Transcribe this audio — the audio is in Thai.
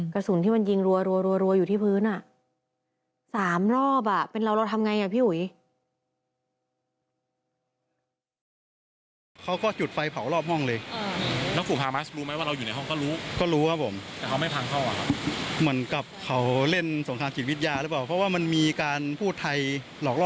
กลุ่มฮามัสบุกเข้ามาอีกครั้ง